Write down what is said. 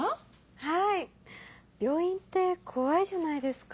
はい病院って怖いじゃないですか。